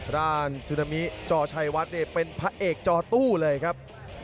ซึนามิจอชัยวัดเป็นพระเอกจอตู้เลยครับ